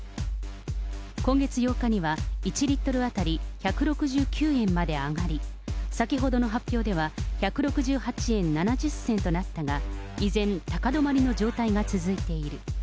今月８日には、１リットル当たり１６９円まで上がり、先ほどの発表では、１６８円７０銭となったが、依然、高止まりの状況が続いている。